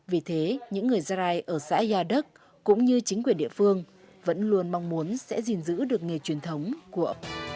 vì thế những người gia rai ở xã yad cũng như chính quyền địa phương vẫn luôn mong muốn sẽ gìn giữ được nghề truyền thống của